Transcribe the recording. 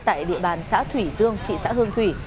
tại địa bàn xã thủy dương thị xã hương thủy